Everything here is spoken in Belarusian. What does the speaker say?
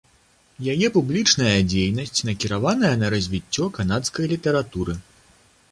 Яе публічная дзейнасць накіраваная на развіццё канадскай літаратуры.